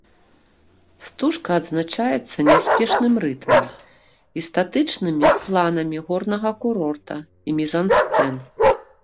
Стужка адзначаецца няспешным рытмам і статычнымі планамі горнага курорта і мізансцэн.